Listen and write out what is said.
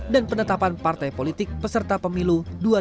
dan penetapan partai politik peserta pemilu dua ribu dua puluh empat